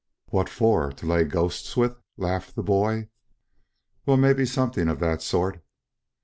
"What for to lay ghosts with?" laughed the boy. "Well, mebby something of that sort."